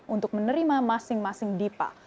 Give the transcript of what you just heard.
untuk menerima masing masing dipa